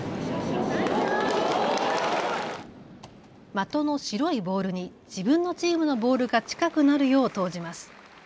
的の白いボールに自分のチームのボールが近くなるよう投じます。